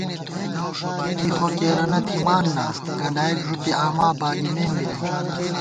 کی خو کېرَنہ تھِمان نا، گلائیک ݫُوپی آما باگمېم بی نئ